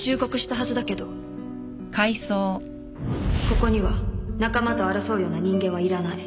ここには仲間と争うような人間はいらない。